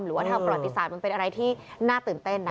หรือว่าทางประวัติศาสตร์มันเป็นอะไรที่น่าตื่นเต้นนะ